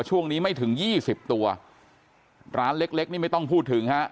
ช่วงนี้ไม่ถึงยี่สิบตัวร้านเล็กเล็กนี่ไม่ต้องพูดถึงฮะ